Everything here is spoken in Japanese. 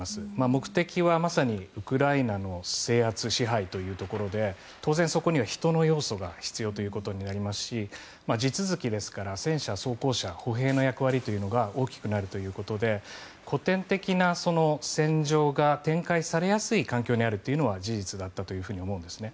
目的はまさにウクライナの制圧、支配というところで当然、そこには人の要素が必要ということになりますし地続きですから戦車、装甲車、歩兵の役割が大きくなるということで古典的な戦場が展開されやすい環境にあるというのは事実だったと思います。